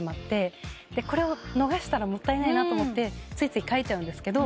これを逃したらもったいなと思ってついつい書いちゃうんですけど。